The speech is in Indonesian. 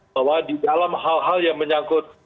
bahwa di dalam hal hal yang menyangkut